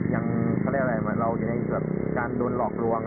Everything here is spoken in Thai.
ยังเท่าไหร่แบบการโดนหลอกลวง